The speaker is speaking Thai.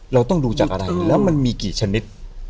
เราต้องดูจากอะไรแล้วมันมีกี่ชนิด